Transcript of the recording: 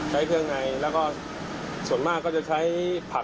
ใช้เครื่องในแล้วก็ส่วนมากก็จะใช้ผัก